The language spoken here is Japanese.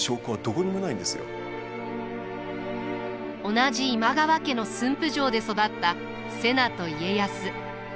同じ今川家の駿府城で育った瀬名と家康。